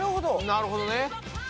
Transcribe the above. なるほどね。